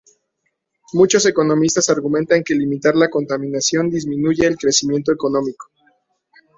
Muchos economistas argumentan que limitar la contaminación disminuye el crecimiento económico.